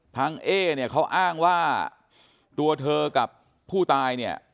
เอ๊เนี่ยเขาอ้างว่าตัวเธอกับผู้ตายเนี่ย